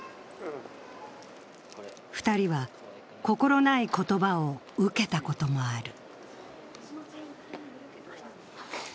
２人は心ない言葉を受けたこともある。